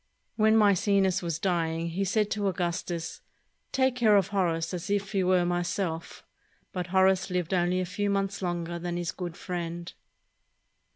When Maecenas was dying, he said to Augustus, "Take care of Horace as if he were myself"; but Horace lived only a few months longer than his good friend.